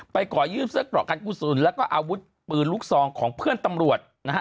ไปขอยืมเสื้อกกับคุณแล้วก็อาวุธปืนลูกซองของเพื่อนตำรวจนะฮะ